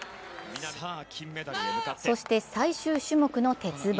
そして最終種目の鉄棒。